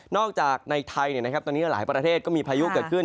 นอกจากในไทยเนี่ยนะครับตอนนี้หลายประเทศก็มีพายุเกิดขึ้น